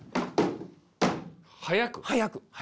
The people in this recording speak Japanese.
速く。